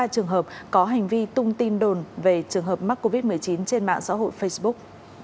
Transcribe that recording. ba trường hợp có hành vi tung tin đồn về trường hợp mắc covid một mươi chín trên mạng xã hội facebook